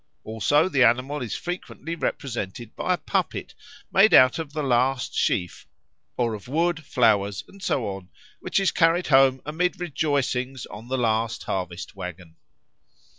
Also the animal is frequently represented by a puppet made out of the last sheaf or of wood, flowers, and so on, which is carried home amid rejoicings on the last harvest waggon.